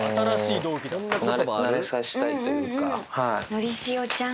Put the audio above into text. のりしおちゃん。